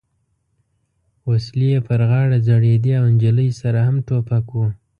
وسلې یې پر غاړه ځړېدې او نجلۍ سره هم ټوپک و.